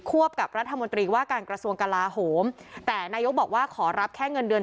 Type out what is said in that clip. วบกับรัฐมนตรีว่าการกระทรวงกลาโหมแต่นายกบอกว่าขอรับแค่เงินเดือน